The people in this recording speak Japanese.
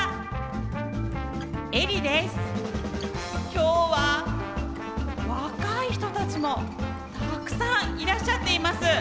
今日は若い人たちもたくさんいらっしゃっています。